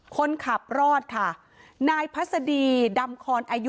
คนขับรอดค่ะนายพัศดีดำคอนอายุ